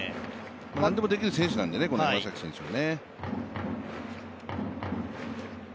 なんでもできる選手なんでね、山崎選手は。